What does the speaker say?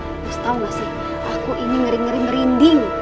lu tau gak sih aku ini ngeri ngeri merinding